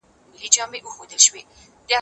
زه اجازه لرم چي لیکل وکړم،